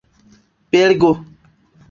belgo